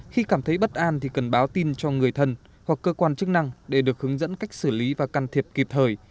khi cảm thấy bất an thì cần báo tin cho người thân hoặc cơ quan chức năng để được hướng dẫn cách xử lý và can thiệp kịp thời